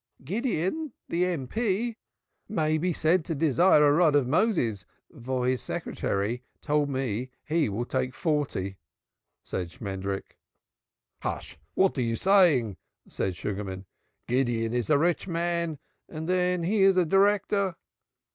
"Gideon, the M.P., may be said to desire a Rod of Moses, for his secretary told me he will take forty," said Shmendrik. "Hush! what are you saying!" said Sugarman, "Gideon is a rich man, and then he is a director."